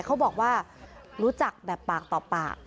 เขาบอกว่ารู้จักแบบปากต่อปาก